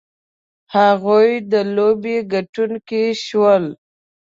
هغوی د لوبې ګټونکي شول.